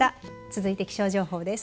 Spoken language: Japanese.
続いて気象情報です。